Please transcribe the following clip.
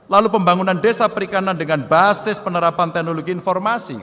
lalu pembangunan desa perikanan dengan basis penerapan teknologi informasi